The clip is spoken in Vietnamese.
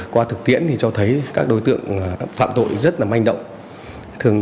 qua thực tiễn thì cho thấy các đối tượng phạm tội rất là manh động